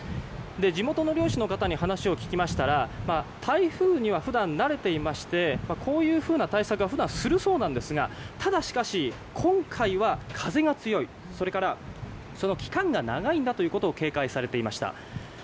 地元の漁師の方に話を聞きましたら台風には普段、慣れていましてこういうふうな対策は普段するそうですがただしかし、今回は風が強い、それからその期間が長いんだということを警戒されていました。